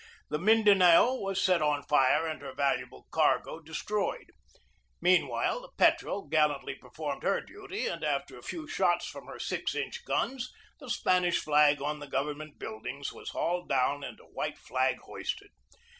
The Mindanao was set on fire and her valu able cargo destroyed. Meanwhile, the Petrel gal lantly performed her duty, and after a few shots from her 6 inch guns the Spanish flag on the govern ment buildings was hauled down and a white flag hoisted.